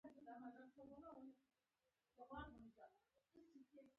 تاسو باید هر ورځ ورزش وکړئ